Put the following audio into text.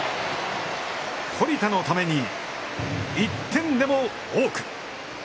堀田のために１点でも多く！